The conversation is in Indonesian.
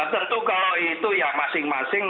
tentu kalau itu ya masing masing